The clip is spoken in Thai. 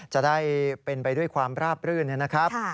จะได้เป็นไปด้วยความราบรื่นนะครับ